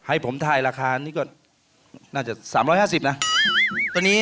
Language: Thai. ให้ผมถ่ายราคานี่ก็น่าจะ๓๕๐บาทนะ